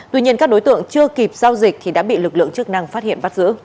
tuy nhiên các đối tượng chưa kịp giao dịch thì đã bị lực lượng chức năng phát hiện